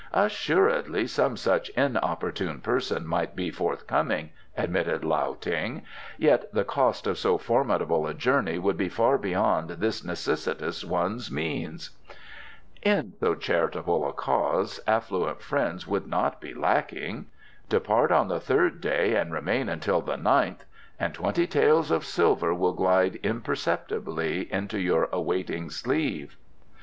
"Assuredly some such inopportune person might be forthcoming," admitted Lao Ting. "Yet the cost of so formidable a journey would be far beyond this necessitous one's means." "In so charitable a cause affluent friends would not be lacking. Depart on the third day and remain until the ninth and twenty taels of silver will glide imperceptibly into your awaiting sleeve."